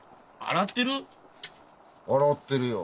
洗ってるよ。